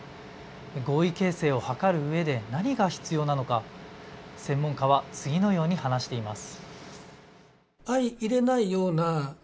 合意形成を図るうえで何が必要なのか専門家は次のように話しています。